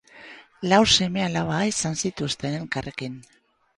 Lau seme-alaba izan zituzten elkarrekin.